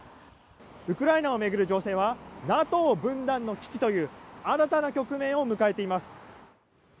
ウクライナを巡る情勢はＮＡＴＯ分断の危機という新たな局面を迎えています。